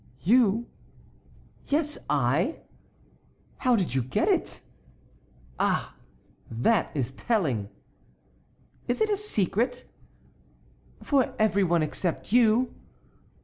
"You?" "Yes, I." "How did you get it?" "Ah! that is telling!" "Is it a secret?" "For every one except you."